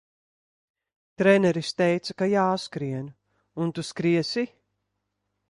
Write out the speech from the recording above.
Treneris teica, ka jāskrien, un Tu skriesi!